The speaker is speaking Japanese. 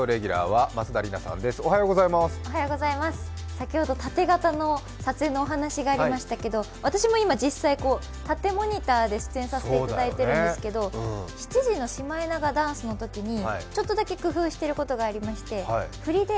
先ほど縦型の撮影のお話がありましたけど、私も今、実際、縦モニターで出演させてもらってるんですけど７時のシマエナガダンスのときにちょっとだけ工夫していることがありまして、振りで、